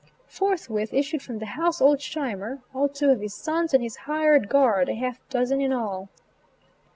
Forthwith issued from the house old Scheimer, two of his sons and his hired guard a half dozen in all.